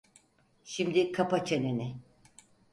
Şimdi kapa çeneni.